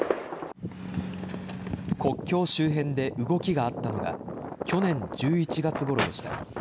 国境周辺で動きがあったのが去年１１月ごろでした。